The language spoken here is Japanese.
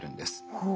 ほう。